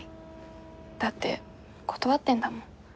だって断ってんだもん。